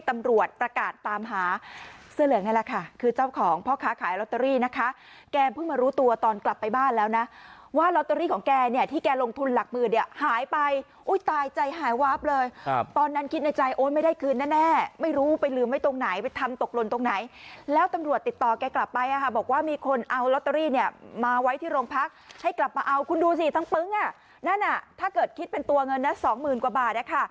ทุลหลักหมื่นอ่ะหายไปอุ๊ยตายใจหายวาร์ฟเลยครับตอนนั้นคิดในใจโอ้ไม่ได้คืนน่ะเนี่ยไม่รู้ไปลืมไว้ตรงไหนไปทำตกลนตรงไหนแล้วตำรวจติดต่อกันกลับไปอ่ะค่ะบอกว่ามีคนเอาลอตเตอรี่อ่ะมาไว้ที่โรงพักษ์ให้กลับมาเอาคุณดูสิทั้งปึ๊กอะนั่นน่ะถ้าเกิดคิดจะเป็นตัวเงินน่ะสองมืนกว่าบา